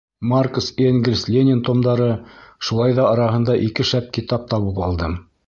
Маркс, Энгельс, Ленин томдары, шулай ҙа араһында ике шәп китап табып алдым.